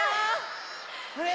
あれ？